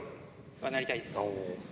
なりたいです。